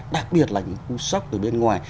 đặc biệt là những cú sốc từ bên ngoài